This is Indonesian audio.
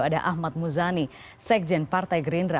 ada ahmad muzani sekjen partai gerindra